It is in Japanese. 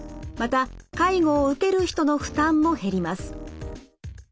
また介護を受ける人の負担も減ります。